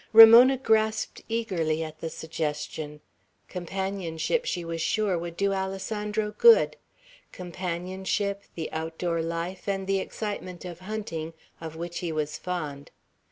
Ramona grasped eagerly at the suggestion; companionship, she was sure, would do Alessandro good, companionship, the outdoor life, and the excitement of hunting, of which he was fond.